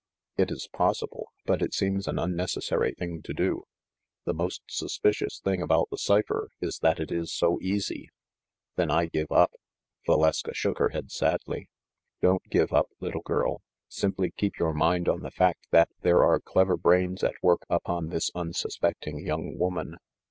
"It is possible; but it seems an unnecessary thing to do. The most suspicious thing about the cipher is that it is so easy." "Then I give it up." Valeska shook her head sadly. "Don't give up, little girl. Simply keep your mind on the fact that there are clever brains at work upon this unsuspecting young woman."